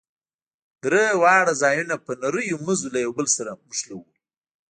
درې واړه ځايونه په نريو مزو له يو بل سره نښلوو.